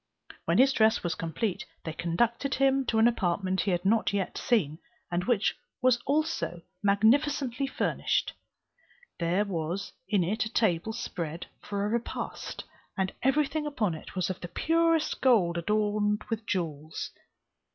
When his dress was complete, they conducted him to an apartment he had not yet seen, and which also was magnificently furnished. There was in it a table spread for a repast, and everything upon it was of the purest gold adorned with jewels.